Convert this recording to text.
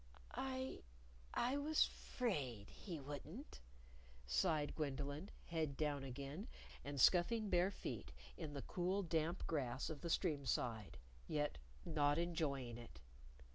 "I I was 'fraid he wouldn't," sighed Gwendolyn, head down again, and scuffing bare feet in the cool damp grass of the stream side yet not enjoying it!